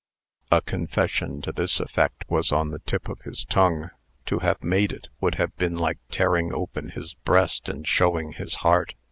A confession to this effect was on the tip of his tongue. To have made it, would have been like tearing open his breast and showing his heart.